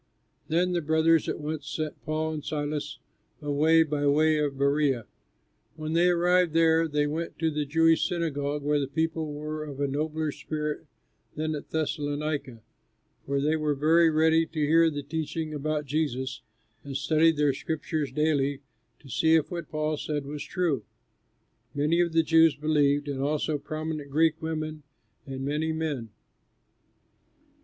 Then the brothers at once sent Paul and Silas away by night to Berœa. When they arrived there, they went to the Jewish synagogue, where the people were of a nobler spirit than at Thessalonica, for they were very ready to hear the teaching about Jesus, and studied their scriptures daily to see if what Paul said was true. Many of the Jews believed and also prominent Greek women and many men.